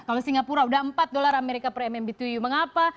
kalau singapura sudah empat dolar amerika per mmbtu mengapa